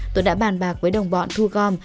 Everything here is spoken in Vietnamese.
tuấn đã bàn bạc với đồng bọn thu gom